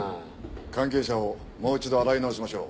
関係者をもう一度洗い直しましょう。